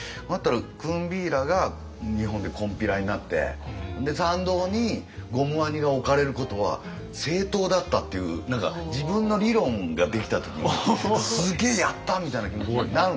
クンビーラが日本で金毘羅になってで参道にゴムワニが置かれることは正当だったっていう何か自分の理論ができた時に「すげえやった！」みたいな気持ちになるんですよ。